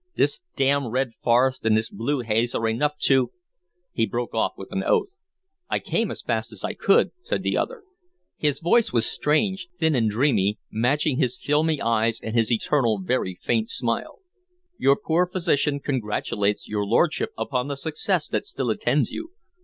This d d red forest and this blue haze are enough to" He broke off with an oath. "I came as fast as I could," said the other. His voice was strange, thin and dreamy, matching his filmy eyes and his eternal, very faint smile. "Your poor physician congratulates your lordship upon the success that still attends you.